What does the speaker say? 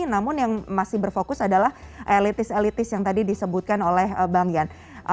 namun yang masih berfokus adalah elitis elitis yang tadi disebutkan oleh bang jan